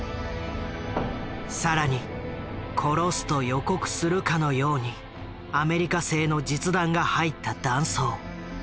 更に殺すと予告するかのようにアメリカ製の実弾が入った弾倉。